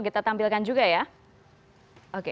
kita tampilkan juga ya oke